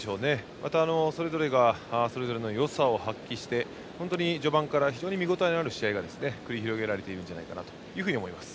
また、それぞれがそれぞれのよさを発揮して本当に序盤から非常に見応えのある試合が繰り広げられていると思います。